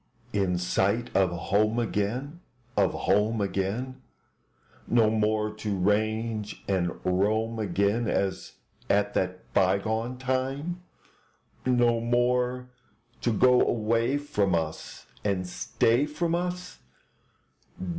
In sight of home again, Of home again; No more to range and roam again As at that bygone time? No more to go away from us And stay from us?